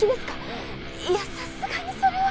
いやさすがにそれは。